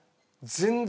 全然！